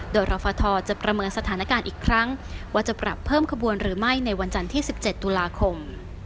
โดยรฟทจะประเมินสถานการณ์อีกครั้งว่าจะปรับเพิ่มขบวนหรือไม่ในวันจันทร์ที่๑๗ตุลาคม